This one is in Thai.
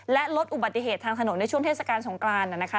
และลดอุบัติเหตุทางถนนในช่วงเทศกาลสงกราน